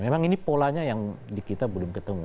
memang ini polanya yang di kita belum ketemu